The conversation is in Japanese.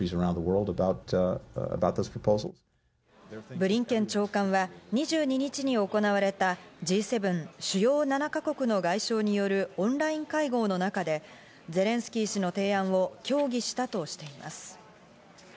ブリンケン長官は２２日に行われたＧ７＝主要７か国の外相によるオンライン会合の中で、ゼレンスキー氏の提案を協議したとしています。